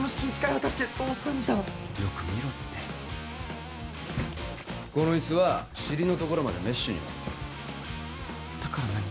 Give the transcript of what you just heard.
果たして倒産じゃんよく見ろってこのイスは尻のところまでメッシュになってるだから何？